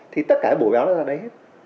thì tất cả bổ béo nó ra đây hết